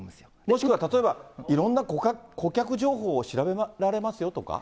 もしくは、例えばいろんな顧客情報を調べられますよとか？